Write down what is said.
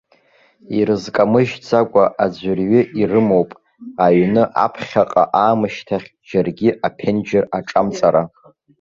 Ирызкамыжьыцкәа аӡәырҩы ирымоуп, аҩны аԥхьаҟа аамышьҭахь џьаргьы аԥенџьыр аҿамҵара.